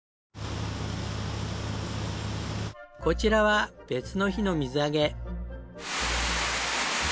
こちらは別の日の水揚げ。